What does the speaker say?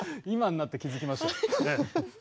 今になって気付きました。